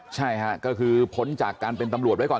ใช่ค่ะก็คือพ้นจากการเป็นตำรวจไว้ก่อน